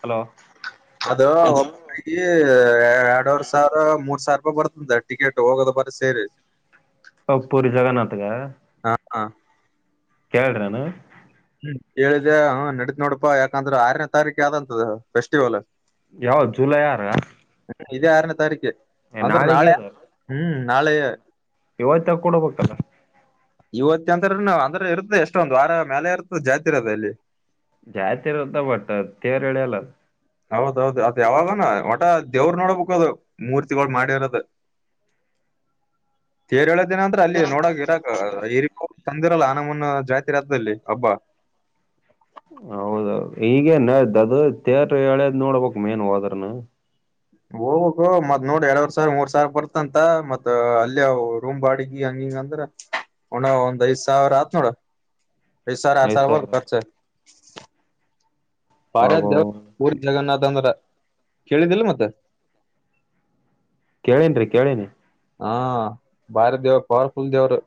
hello ಅದು ಒ ಎರಡುವರ್ ಸಾವಿರ ಮೂರ್ ಸಾವಿರೂಪ ಬರ್ತ್ ಹ ಟಿಕೆಟ್ ಹೋಗೋದು ಬರ ಸೇರಿ ಅವ ಪೂರಿ ಜಗನ್ನಾಥ್ಗ ಹಾ ಹಾ ಕೇಳಿದ್ರೇನ ಕೆಳಿದೆ ನಡತ್ ನೋಡಪಾ ಯಾಕಂದ್ರ ಆರನೇ ತಾರೀಕ ಯಾವ್ದಂತದ ಫೆಸ್ಟಿವಲ್ ಯಾವತ್ ಜೂಲೈ ಅರ ಇದೇ ಆರನೇ ತಾರೀಕು ಅಂದ್ರೆ ನಾಳೆ ಅದ ಹ್ಮ್ ನಾಳೆ ಇವತ್ತ ಕೂಡಬೇಕಲ್ಲ ಇವತ್ತಂತ್ರನು ಅಂದ್ರೆ ಇರುತದೆ ಎಷ್ಟೊಂದು ವಾರ ಮೇಲೆ ಇರ್ತದೆ ಜಾತಿರೋದ ಅಲ್ಲಿ ಜಾತಿ ಇರುತ್ತ ಬಟ್ ತೇರ್ ಎಳಿಯಲ್ಲ ಹೌದೌದು ಅದ ಯಾವಾಗನ ಒಟ ದೇವ್ರ ನೋಡ್ಬೇಕು ಅದು ಮೂರ್ತಿಗಳು ಮಾಡಿರದ ತೇರ್ ಹೇಳಿದ್ದಿನ ಅಂದ್ರ ಅಲ್ಲಿ ನೋಡಕ್ ಇರಕ್ ಈ ತಂದಿರಲ್ಲ ನಮ್ಮನ್ನ ಜಾತಿ ರತ್ದಲ್ಲಿ ಹಬ್ಬಾ ಹೌದೌದು ಈಗೇ ನ್ದ ಅದು ತೇರ್ ಎಳ್ಯದ್ ನೋಡ್ಬೇಕಕ್ ಮೇನ್ ಹೋದ್ರನು ಹೋಗ್ಬೇಕು ಮತ್ ನೋಡ ಎರಡ್ವರ್ ಸಾವಿ ಮೂರ್ ಸಾವಿ ಬರ್ತಂತ ಮತ್ ಅಲ್ಲಿ ರೂಮ್ ಬಾಡಿಗೆ ಹಂಗಿ ಹಂಗ ಅಂದ್ರ ಒಣ ಒಂದ್ ಐದ್ ಸಾವಿರ ಆತ್ ನೋಡ ಪ ಸರ್ ಆರ್ ಐದ್ ಸರ್ ಬರಿ ಸಾವಿರ ಕರ್ಚು ಭಾರ ಅಬ್ಬಬ್ಬಾ ದೇವರು ಪುರಿಜಗಥ ಮಂದ್ರ ಕೇಳಿದ್ದಿಲ್ಲ ಮತ್ತೆ ಕೇಳನ್ರಿ ಕೇಳೇನಿ ಹಾ ಭಾರಿ ದೇವರು ಪವರ್ಫುಲ್ ದೇವರು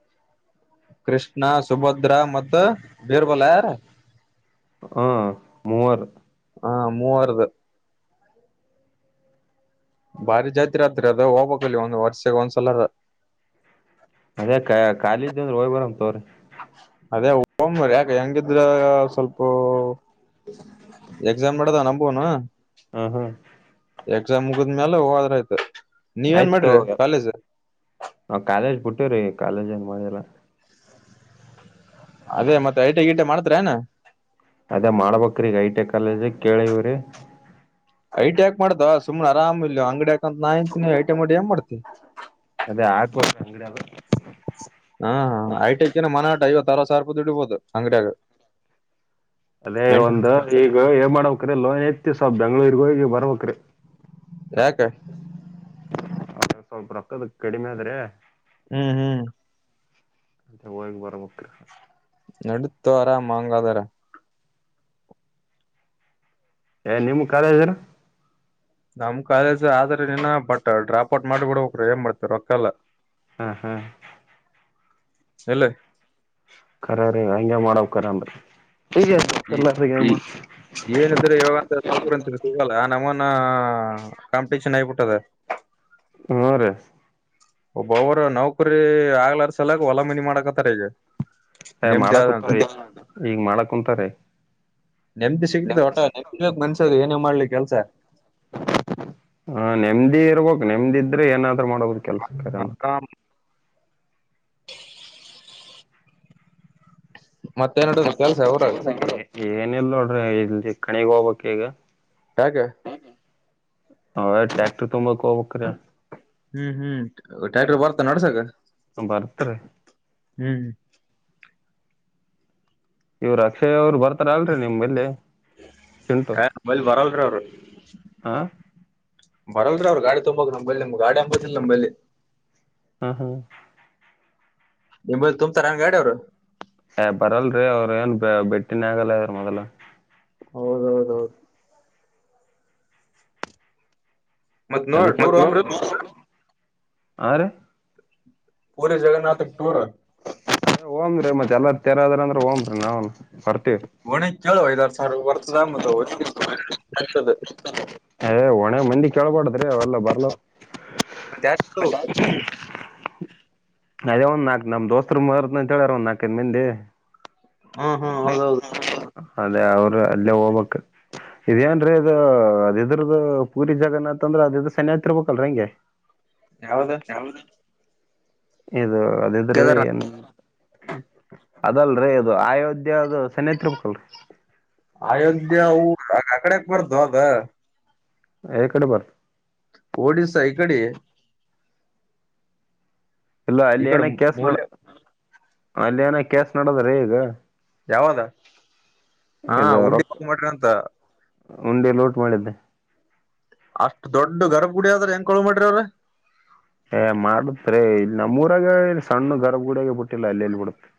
ಕೃಷ್ಣ ಸುಭದ್ರಾ ಮತ್ತ ಬೀರ್ಬಲ ಯಾರ ಹಾ ಮೂವರು ಹಾ ಮೂವಾರದು ಬಾರಿ ಜಾತಿ ಆತ್ರಿ ಅದ ಹೋಗ್ಬಕ್ಲ್ಲಿ ಒಂದ್ ವರ್ಷಗ ಒಂದ್ಸಲರ ಅದೇ ಕಾಲಿ ಇದ್ರೆ ಅಂದ ಹೋಗ್ ಬರಮ ತಾಳ್ರಿ ಅದೇ ರಿ ಯಾಕ ಹೆಂಗಿದ್ರ ಸ್ವಲ್ಪ [unintelligible] ಎಕ್ಸಾಮ ಮಾಡದ ನಮಗೂನು ಹ್ಮ ಹ್ಮ ಎಕ್ಸಾಮ್ ಮುಗಿದ್ಮೇಲೆ ಹೋದರಾಯ್ತು ಆಯ್ತು ಹೋಗ ನಾವ ಕಾಲೇಜ್ ಬಿುಟ್ಟವ್ರಿ ಕಾಲೇಜ್ ಏನ್ ಹೋಗಲ್ಲ ಅದೇ ಮತ್ತೆ ಐಟಿ ಗಿಟೆ ಮಾಡ್ತರ ಏನ ಅದೇ ಮಾಡ್ಬ್ರೀಗ ಐಟಿ ಕಾಲೇಜ ಕೇಳಿವ್ರಿ ಐಟಿ ಹಾಕ್ ಮಾಡ್ದ್ ಸುಮ್ನ ಆರಾಮ ಇಲ್ವ ಅಂಗಡಿ ಯಾಕಂತ ನಾಂತ ನೀ ಐಟಿ ಮಾಡಿ ಏನ್ ಮಾಡ್ತ ಅದೇ ಹಾಕುವ ಅಂಗಡಿಯಲ್ಲ ಹಾ ಹಾ ಐಟಐಕನ ಮನಾಟ ಐವತ್ತು ಅರ ಸಾವಿ ರಪ ದುಡಿಬೋದು ಅಂಗಡಿಯಾಗ ಅದೇ ಮೇಂಟೆನ್ ಒಂದು ಈಗ ಏ ಮಾಡ್ಕ್ರಿ ಲೋ ಎತ್ತಸ ಬೆಂಗ್ಳೂರಿಗೂ ಈಗ ಬರ್ಬಕ್ೀ ಯಾಕ ಹ ಸ್ವಲ್ಪ ರೊಕ್ತದ ಕಡಿಮೆ ಆದ್ರೆ ಹ್ಮ್ ಹ್ಮ್ ಅ ಹಕ್ ಬಾರ ಮುಕ್ಕ್ರ ನಡತು ಆರಾಮ್ ಹಂಗ ಅದಾರ ಏ ನಿಮ್ ಕಾಲ ಏನೋ ನಮ್ ಕಾಲೇಜ್ ಆದ್ರ ನೀನ ಬಟ್ ಡ್ರಾಪ್ ಔಟ್ ಮಾಡಿಬಿಡರು ಏನ್ ಮಾಡ್ತಾರೆ ರೋಕ್ಕಲ್ಲ ಹಾ ಹಾ ಎಲ್ಲಿ ಖರೆ ರಿ ಹಂಗೆ ಮಾಡವ ಕರನ್ರಿ ಈ ಏನಿದ್ರೆ ಯಾಗಂತಕಂತ ಸಿಗಲ್ಲ ನಮ್ಮ ಕಾಂಪಿಟಷನ್ ಆಗಬಿಟ್ಟದ ಹ್ಮ್ ರಿ ಒಬ್ಬ ಅವರು ನೌಕರಿ ಆಗ್ಲಾರ ಸಲಕ ಒಲ ಮನಿ ಮಾಡಕತ್ತಾರ ಈಗ ಹ ನೆಮ್ಮದಿ ಮಾಡಕ ಕುತ್ ಆದಂತ ಈಗ್ ಮಾಡ ಕುಂತಾರ ನೆಮದಿ ಸಿಗ್ತ ಹೊಟ ನೆಮ್ಮಿ ಮನ್ಸ ಏನೇ ಮಾಡ್ಲಿ ಕೆಲ್ಸ ಹ ನೆಮದಿ ಇರ್ಬೇಕಕ್ ನೆಮದಿದ್ರೆ ಏನಾದ್ ಮಾಡ್ರ ಕೆಲಸ ಕಾರ್ಯನ ಮತ್ತೆ ನ್ಡೋದ ಏನ ಇಲ್ ನೋಡ್ರಿ ಇಲ್ಲಿ ಕಣಿಗ್ ಹೋಗ್ಬಕ್ ಈಗ ಯಾಕೆ ಅವೇ [unintelligible] ಹ್ಮ್ ಹ್ಮ್ ಟ್ಯಾಕ್ಟರ್ ಬರ್ತಾ ನಡ್ಸಕ ಹ ಬರ್ತರಿ ಹ್ಮ್ ಇವ್ರು ಅಕ್ಷಯ ಅವರು ಬರ್ತಾರ ಅಲ್ರರಿ ನಿಮ್ ಮಲ್ಲಿ ಮಲ್ ಬರಲ್ ಅವ್ರರು ಹ ಬರಲ್ ಅವ್ ಗಾಡಿ ತೊಂಬೋ ನಲ್ಲಿ ನಮ್ ಗಾಡಿ ಹಂಬಬ ನಂಬಲ್ಲಿ ಹಾ ಹಾ ನಿ ತುಂಬ್ ತರ ಹಂಗಾದ್ರೆ ಅವ್ರು ಬರಲ್ರರಿ ಅವ್ರ ಏನ್ ಬೆಟ್ಟಿನ ಆಗಲ್ಲ ಅ್ರ ಮೊದಲ ಹೌದೌದೌದು ಮತ್ ನೋಡ್ ಅದಕ್ಕೆ ಟೂರ್ ಹೋಗಂಬ್ರಿ ಆರ ಪೂರೇ ಜಗನಾಥಕ್ ಟೂರ್ ಹಓಮ್ ಮತ್ತತ್ ಎಲ್ಲ ತೇರದ್ರ ಅ್ರ ಹೋಗ್ ನಾನ್ ಬರ್ತ ಹೋಗೋಣ ಕೆೇಳೋ ಐದಾರು ಸಾವಿ ಬರ್ತದ ಆ ಮಗ್ತದೆ ಅಯ ಒಣೆ ಮಂದಿ ಕೇಳ್ಬಡದ್ರಿ ಅವೆಲ್ಲ ಬರ್ಲ [unintelligible] ಅದೇ ಒಂದ್ ನಾಕ ನಮ್ ದೋಸ್ತರು ಮದ ಅಂತ ಹೇಳಾರ ಒಂದ್ ನಾಲ್ಕೈದ ಮಂದಿ ಹಾ ಹಾ ಹೌದೌದು ಅದೇ ಅವರು ಅಲ್ಲೇ ಹೋಗ್ಬೇಕು ಇದೇಏನ್ರೀ ಇದು ಅದ್ರದ ಪೂರಿ ಜಗನ್ನಾಥ ಅಂದ್ರ ಅದ ಇದ್ರ ಸನಿ ಹತಿ ಇರ್ಬೇಕಲ್ರ ಹೆಂಗೆ ಯಾವದ ಇದು ಅದಿದ್ರಿ ಕೇದಾರ ಏನ್ ಅದಲ್ರಿ ಅದು ಅಯೋಧ್ಯ ಅದು ಸೆನ್ನತ್ರುಮಕ್ಕಲ್ ಅಯೋಧ್ಯ ಊ ಆಕಡೆಕ್ ಬರ್ದು ಅದ ಎ ಕಡೆ ಬರ್ ಓಡಿಶಾ ಇ ಕಡೆ ಇಲ್ಲ ಈ ಅಲ್ಲಿ ಕಡೆ ಏನ ಕೇಸ್ ನ ಮೂಲೆ ಅಲ್ಲಿ ಏನ ಕೇಸ್ ನೋದ್ರೆ ಈಗ ಯಾವದ ಹಾ ಉಂಡಿ ಹಕಮಟ್ರಿ ಅಂತ ಒಂದೇ ಲೋಟ್ ಮಾಡಿದ್ದೆ ಅಷ್ಟು ದೊಡ್ಡ ಗರ್ಭ ಗುಡಿ ಆದ್ರ ಹೆಂಗಕಳ್ ಮಾಡ್ರಿ ಅವ್ರ ಏ ಮಾಡತ್ರಿ ಇ ನಮ್ಮೂಊರಾಗ ಇ ಸಣ್ಣ ಗರ್ಭ ಗುಡಿಗ ಬಿಟ್ಟಿಲ್ಲ ಅಲ್ಲ ಇಲ್ಲಿ ಬಿಡುತ್ತೆ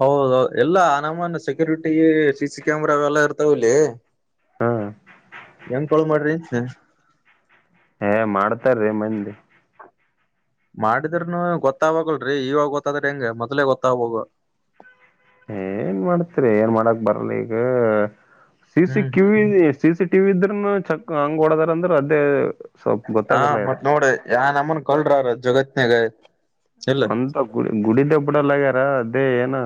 ಹೌದೌದು ಎಲ್ಲಾ ನನಮ್ಮನ್ ಸೆಕ್ಯೂರಿಟಿ ಸಿ ಸಿ ಕ್ಯಾಮರಾವೆಲ್ಲಾ ಇರ್ತಾವಲ್ಲಿ ಹಾ ಯಂಗ ಕಳು ಮಾಡ್ರೀ ಹಏ ಮಾಡ್ತಾರ್ರೀ ಮಂದಿ ಮಾಡಿದ್ರನು ಗೊತ್ತಾಗೋಗಲ್ರರಿ ಇವಾಗ ಗೊತ್ತಾದ್ರ ಹೆಂಗ ಮೊದ್ಲೇ ಗೊತ್ತಾಗ ಬೇಕು ಏನ್ ಮಾಡ್ತ್ರಿ ಏನ್ ಮಾಡಕ್ ಬರಲ್ಲ ಈಗ ಸ ಸಿ ಹ್ಮ್ ಕಿವಿ ಸ ಸಿ ಟ್ಟಿವ ಇದ್ರೂನು ಚಕ್ ಹಂಗ ಓಡದಾರಂದ್ರೆ ಅದೇ ಸ್ವಲ್ಪ ಹಾ ಗೊತ್ತಾಗಲ್ಲ ಇದು ಮತ್ ನೋಡ್ರಿ ಯ ನಮ್ಮನ್ ಕಲ್ರಾರ ಜಗತ್ನ್ಾಗ ಅಂತ ಗುಡಿ ಗುಡಿ್ದ ಎಪಡಲ್ಲಗ್ಯಾರ ಅದೇ ಏನ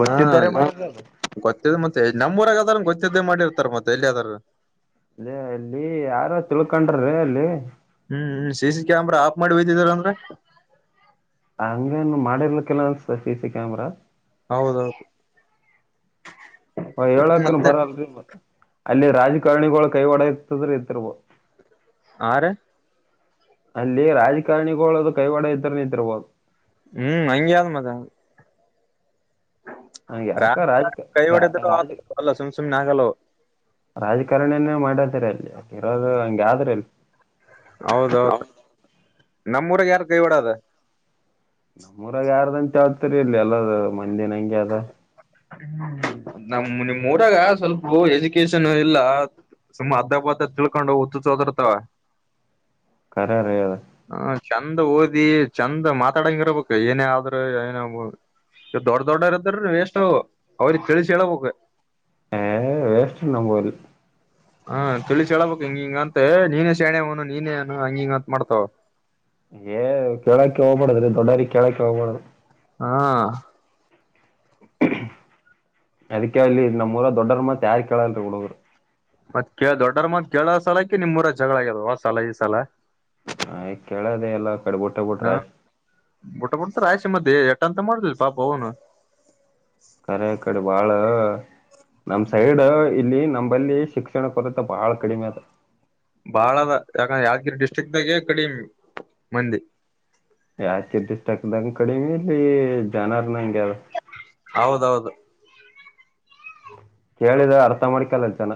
ಗೊತ್ತಿದ್ದಾರೆ ಮತ್ತ ನಮ್ಮ್ಊರಾಗದಾರ ಗೊತ್ತಿದ್ದೆ ಮಾಡಿರ್ತಾರೆ ಮತ್ತೆ ಎಲ್ಲಿದಾರೂ ಅದೇ ಅಲ್ಲಿ ಯಾರು ತಿಳ್ಕೊಂಡ್ರ್ರೀ ಅಲ್ಲಿ ಹ್ಮ್್ಮ ಸೀಸ ಕೆಾಮರ ಆಪ್ ಮಾಡವಿಿದ್ದರ ಅಂದ್ರೆ ಹಂಗೇನು ಮಾಡಿರ್ಲ ಕೆಲ್ಲ ಅನ್ಸತ ಸಿ ಸಿ ಕ್ಯಾಮರಾ ಹೌದೌದು ಹ ಹೇಳಾಕನ್ ಮತ್ತೆ ಬರಲ್ರಿ ಮತ್ತ ಅಲ್ಲಿ ರಾಜಕಾರಣಿಗಳು ಕೈ ಒಡ ಇತದ್ರ ಇತಿರ್ಬೋ ಆರ ಅಲ್ಲಿ ರಾಜಕಾರಣಿಗಳುಳದು ಕೈವಾಡ ಇದ್ರ ನಿಂತಿರ್ಬೋದು ಹ್ಮ್ ಹಂಗ ಯ್ದ್ ಮತ ಅ ನನ್ಗೆ ಯಾಕ ರಾಜಕ ಕೈ ಹೊಡೆದ್ರು ರಾಜ ಅಲ್ಲ ಸುಮ್ ಸುಮ್ನೆ ಆಗಲ್ಲವು ರಾಜಕಾರಣನೇ ಮಾಡದರ ಅಲ್ಲಿ ಇರೋದು ಹಂಗ ಆದ್ರ ಅಲ್ಲಿ ಹೌದೌದು ನಮ್ಮೂರಾಗ ಯಾರ ಕೈವಾಡದ ನಮ್ಮೂಊರಾಗ ಯಾರ್ದಂತಾತರಿ ಇಲ್ಲಿ ಎಲ್ಲ ಮಂದಿನ ಹಂಂಗಗೆ ಅದ ಹ್ಮ್ ನಮ ನಿಮ್ಮ್ ಊರಾಗ ಸ್ವಲ್ಪ ಎಜುಕೇಶನ್ ಇಲ್ಲ ಸುಮ್ಮ ಅದ್ದ ಪ್ದ ತಿಳ್ಕೊಂಡು ಉತ್ತು ಸ ಹೋದರ್ತಾವ ಕರೆ ರ ಹ ಚಂದ ಓದಿ ಚಂದ ಮಾತಾಡಂಗ ಇರ್ಬೇಕು ಏನೇ ಆದ್ರೂ ಏನ ದೊಡ್ಡ ದೊಡ್ಡರದ್ರ ವೇಸ್ಟ್ ಅವ್ರ ತಿಳಿಸಿ ಹೇಳಳ್ಬೇಕು ಹ ವೇಸ್ ನಂಬೋದು ಹಾ ತಿಳಿಸಿಸಿ ಹೇಳಳ್ಬೇಕಕ್ ಹಿಂಗ ಹಿಂಗ ಅಂತೆ ನೀನೇ ಶಣೆ ಅವನು ನೀನೇನು ಹಂಗ ಹಿಂಗ ಅಂತ ಮಾಡ್ತಾವ ಏ ಕೇಳಕ್ಕೆ ಹೋಗ್ಬ ಮಾಡಡುದ್ರಿ ದೊಡ್ಡಾರಿ ಕೇಳಕ್ಕೆ ಹೋಗ್ಬ ಮಾಡಡ್ ಹ್ಮ ಅದಕ್ಕೆಲ್ಲಿ ನಮ್ಮ್ೂಊರ ದೊಡ್ಡರ ಮತ್ ಯಾರ ಕೇಳಲ್ರಿ ಹುಡುಗರು ಮತ್ ಕ ದೊಡ್ಡರ ಮತ್ ಳ ಸಾಲಕಿ ನಿಮ್ೂಊರ ಜಗಳ ಆಗ್ಯದ ಆ ಸಲ ಈ ಸಲ ಆ ಕೇಳದ ಎಲ್ಲ ಕಡೆ ಬುಟ್ಟ ಬಿಟ್ರ ಮ ಎಟನ್ಂತ ಮಾಡುದು ಪಾಪ ಹನು ಕಖರೇ ಇಕ್ಕಡೆ ಬಾಳ ನಮ ಸೈಡ್ ಇಲ್ಲಿ ನಂಬಲ್ಲಿ ಶಿಕ್ಷಣ ಕೊರತೆ ಬಾಳ ಕಡಿಮೆ ಅದ ಬಾಳದ ಯಾಕಂದ ಯಾದಗಿರಿ ಡಿಸ್ಟ್ರಿಕ್ ದಾಗೆ ಕಡಿಮ ಮಂದಿ ಯಾಕೆರ್ಷ್ಟ ಆಕದಂಗ ಕಡಿಮೆ ಇಲ್ಲಿ ಜನಾರ್ ನಂಗಗೆ್ಯಾರ ಹೌದೌದು ಕೇಳಿದ ಅರ್ಥ ಮಾಡ್ಕಲ್ಲಲ್ ಚೆನ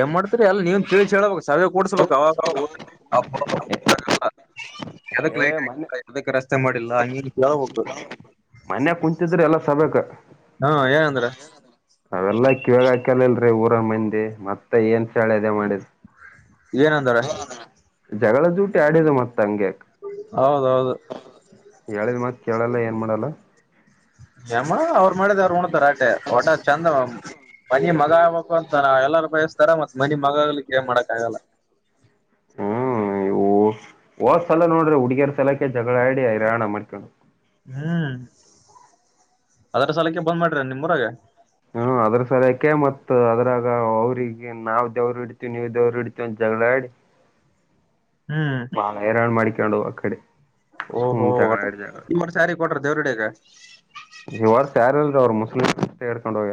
ಏನ್ ಮಾಡ್ತರಿ ಎಲ್ಲ ನೀನ್ ತಿೇಳಿ ಹೇಳಬೇಕ ಸಾವ ಕೂಡ್ಸ್ಬೇಕು ಅವಾಗ ಏ ಲೈಟ್ ಮೊನ್ನೆ ಆ ರಸ್ತೆ ಹ ಅಳ ಹೋಗು ಮನ್ಯ ಕುಂತಿದ್ರೆ ಎಲ್ಲ ಸಬೇಕ ಹಾ ಏನಂದ್ರ ಅವೆಲ್ಲಾ ಕೇಳಾಕಲಿಲ್ರರಿ ಊರ ಮಂದಿ ಮತ್ತೆ ಏನ್ ಚಳೆ ಅದೆೇ ಮಾಡಿದ್ ಏನ ಅಂದ್ರ ಜಗಳದ ಜೂಟಿ ಆಡಿದ ಮತ್ತ ಹಂಗ್ಯಕ ಹೌದೌದು ಹೇಳ ಮ ಕೇಳಲ್ಲ ಏನ್ ಮಾಡಲ್ಲ ಯಮ್ಮ ಅವ್ರು ಮಾಡಿದ ಅವ್ರು ಉಣತಾರ ಆಟೆ ಹೊಟ ಚಂದ ಮನಿ ಮಗ ಆಗ್ಬಬೇಕು ಅಂತಾರ ಎಲ್ಲಾರೂ ಬಯಸ್ತಾರ ಮತ್ ಮನಿ ಮಗ ಆಗ್ಲಿಕ್ಕೆ ಏನ್ ಮಾಡಕ್ ಆಗಲ್ಲ [unintelligible] ಹೋ ಸಲ ನೋಡ್ರಿ ಹುಡುಗಿಯರ್ ಸಲಕ್ಕೆ ಜಗಳಾಡಿ ಹೈರಾಣ ಮಾಡ್ಕೊಂಡು ಹ್ಮ್ ಅದರ ಸಾಲಕ್ಕೆ ಬಂದ್ ಮಾಡ್ರರ ನಿಮ್ಮ್ರಗೆ ಹ್ಮ ಅದ್ರ ಸರಿಯಕೆ ಮತ್ ಅದ್ರಾಗ ಅವ್ರಿಗೆ ನಾವ್ ದೇವ್ರ ಇಡ್ತಿವಿ ನೀವು ದೇವ್ರ ಇಡ್ತಿವಿ ಅ ಜ [unintelligible] ಹ್ಮ್ ಬಾಳ ಹೇರಳ್ ಮಾಡಿಕೊಂಡು ಆ ಕಡೆ ಸುಮ್ ಓಹೋ ಜಗಳಾಡಿ ನಿಮ್ಮ್ರ ಸ್ಯಾರಿ ಕೊಟ್ರ ದೇವ್ರಡಗ ಇವರ್ ಸಾರ ಅಲ್ರರಿ ಅವರು ಮುಸ್ಲಿಮ ಅಷ್ಟೆ ಹೇಡ್ಕೊಂಡ್ ಹೋಗ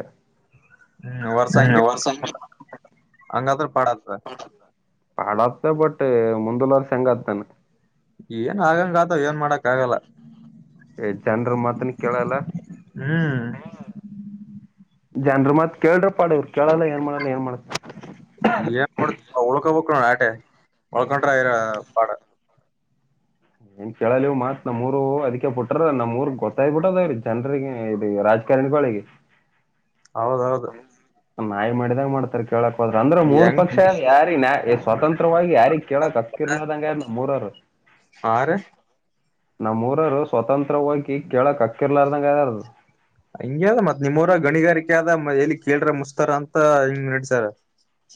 ಹ್ಮ್ ವರ್ಷ ಅಂಗಿ ಅಂಗತ್ರ ಪಡ ಪಾಡತ್ತ ಬಟ್ ಮುಂದಲರ್ ಹೆಂಗತಾನ ಏನ್ ಆಗಂಗ ಆತವ ಏನ್ ಮಾಡಕ್ ಆಗಲ್ಲ ಏ ಜನರ ಮಾತನ್ ಕೇಳಲ್ಲ ಹ್ಮ್ ಜನ್ರ ಮತ್ ಕೇಳ್ರ ಪಾಡವ್ ಕೇಳಲ್ಲ ಏನ್ ಮಾಡೋಲ್ಲ ಏನ್ ಮಾಡತ ಏನ್ ಮಾಡತ ಉಳ್ಕಬೇಕ ಆಟೆ ಉಳ್ಕೊಂಡ್ರರ ಪಾಡ ಏನ್ ಕೇಳಲಿವು ಮಾತ್ ನಮ್ರು ಅದಕ್ಕೆ ಪುಟ್ರ ನಮ್ರ್ಗ್ ಗೊತ್ತಾಗ್ಬ ಬಿಟ್ಟ ಅದ ಜನ್ರಿಗೆ ಇ ರಾಜಕಾರಣಿ ಕಳಗೆ ಹೌದೌದು ನಾಯಿ ಮಾಡಿದಾಗ ಮಾಡ್ತಾರೆ ಕೇಳಕ್ ಹೋದ್ರ ಅಂದ್ರೆ ಮೂರ್ ಹೆಂಗ ಪಕ್ಷ ಯಾರಿ ಸ್ವತಂತ್ರವಾಗಿ ಯಾರಿಗ್ ಕೇಳಕ್ ಅತ್ಕಿರ್ದಂಗ ಮೂರರು ಹಾರ ನಮ್ಮೂಊರರು ಸ್ವತಂತ್ರ ಹೋಗಿ ಕೆಳಕ್ ಅಕ್ಕಿರ್ಲಾರ್ದಂಗ ಅದಾರದು ಹಂಗಗೆ ಅದ ಮತ್ ನಿಮ್ಮವರ ಗಣಿಗಾರಿಕೆ ಆದದ ಎಲ್ಲಿ ಕೇಳ್ರ ಮುಸ್ತರ ಅಂತ ಹಿಂಗ್ ನಡಸಾರ [inaudible]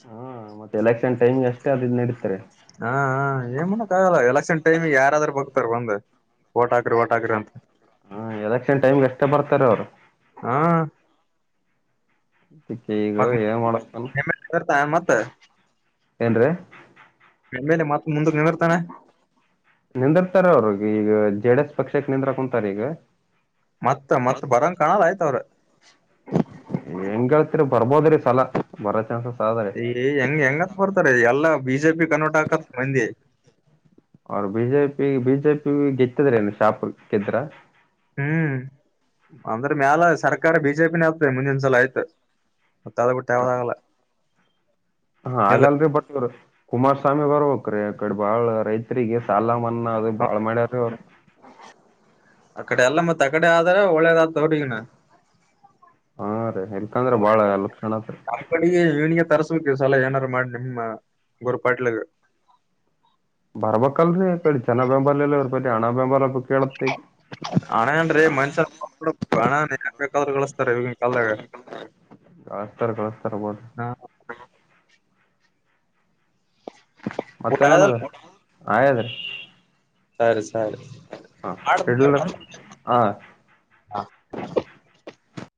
ಹಾ ಮತ್ತೆ ಎಲೆಕ್ಷನ್ ಟೈಮ್ ಅಷ್ಟೇ ಅದದು ನಡೀತಾರೆ ಹಾ ಏನ್ ಮಾಡಕ್ ಆಗಲ್ಲ ಎಲೆಕ್ಷನ್ ಟೈಮ ಯಾರಾದ್ರೂ ಬಕ್ತಾರ ಬಂದ ಓಟಾಕ್ರಿ ಓಟಾಕ್ರ ಅಂತ ಹ್ಮ ಎದಕ್ಷಣ ಟೈಮ್ಗೆ ಎಷ್ಟ ಬರ್ತಾರ ಅವ್ರು ಹಾ ಸಿಕ್ಕ ಈಗ ಏನ್ ಮಾಡತಾನ ಹಾ ಏನ್ರೀ ಆಮೇಲೆ ಮತ್ತ ಮುಂದಕ್ಕೆ ನರ್ತಾನ ನಿಂದಿರ್ತಾರ ಅವ್ರಿಗೆ ಈಗ ಜೆಡ ಎಸ್ ಪಕ್ಷಕ್ಕೆ ನಿಂದ್ರ ಕುಂತಾರ ಈಗ ಮತ್ ಮತ್ ಬರಂಗ ಕಾಣಲ್ಲ ಆಯ್ತ ಅವ್ರ ಹೆಂಗಗೆಳ್ತ್ರಿ ಬರ್ಬೋದ್ರಿ ಸಲ ಬರೋ ಚಾನ್ಸಸ್ ಆದರಿ ಏ ಹೆಂಗ್ ಹೆಂಗತ್ ಬರ್ತಾರೆ ಎಲ್ಲಾ ಬಿಜೆ ಪಿ ಕನ್ವರ್ಟ್ ಹಾಕತ್ ಮಂದಿ ಅವ್ರ ಬಿಜೆಪಿ ಬಿಜೆಪಿ ಗೆತ್ತಿದ್ರ ಏನು ಶಾಪ ಗೆದ್ರ ಹ್ಮ್ ಅಂದ್ರ ಮ್ಯಾಲ ಸರ್ಕಾರ ಬಿಜೆಪಿನ ಆತದೆ ಮುಂದಿನಸಲ ಆಯ್ತು ಮತ್ತಳ ಬಿಟ್ಟಟಾವದಾಗಲ್ಲ ಹ ಹಾಗಲ್ರಿ ಬಟ್ ಕುಮಾರಸ್ವಾಮಿ ಬರ್ಬೇಕಕ್ ಆ ಕಡೆ ಬಾಳ ರೈತರಿಗೆ ಸಾಲ ಮನ್ನಾ ಅದು ಬಾಳ ಮ್ಯಾರ ಅವರು ಅಕಡೆ ಎಲ್ಲ ಮತ್ ಅಗಡೆ ಆದ್ರ ಒಳ್ಳೇದತವ್ರಗನ ಹಾ ರೀ ಎಲ್ಕಂದ್ರ ಬಾಳ ಎಲ್ಲ ಕ್ಷಣತ್ರಿ ಆ ಕಡೆಗೆ ಇವನಿಗೆ ಸಲ ಏನಾರು ಮಾಡಿ ನಿಮ್ಮ ಗುರು ಪಾಟ್ಲಿಗೆ ಬರ್ಬೇಕಲ್ರರಿ ಚೆನ್ನ ಬೆಂಬಾಲ ಎ ಇರ್ಬೇತಿ ಹಣ್ಣ ಬೆಂಬಲ ಕೇಳತ್ತ ಈಗ ಹಣ ಅನ್ ಮನ್ಷ ಹಣ ಕ ಕಳಿಸ್ತಾರೆ ಇವ ಕಾಲಾಗ ಕಳಸ್ತಾರ ಕಳಸ್ತಾರಬೋದು ಊಟ ಮತ್ತೆ ನೋಡದ ಅದಲ್ರಿ ಆದ್ರಿ ಸರಿ ಸರಿ ಮಾಡ ಇಡ್ಲರಿ ಹಾ ಹಾ